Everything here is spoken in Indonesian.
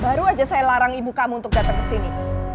baru aja saya larang ibu kamu untuk datang kesini